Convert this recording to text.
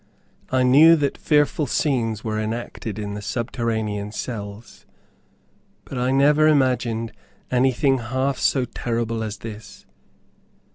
I knew that fearful scenes were enacted in the subterranean cells, but I never imagined anything half so terrible as this.